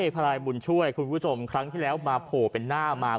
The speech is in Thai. พลายบุญช่วยคุณผู้ชมครั้งที่แล้วมาโผล่เป็นหน้ามา